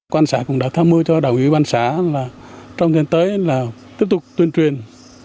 quan sát cũng đã tham mưu cho đồng ý quan sát là trong thời gian tới là tiếp tục tuyên truyền